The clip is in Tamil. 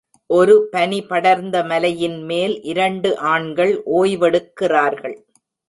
ஒரு பனி படர்ந்த மலையின் மேல் இரண்டு ஆண்கள் ஓய்வெடுக்கிறார்கள்.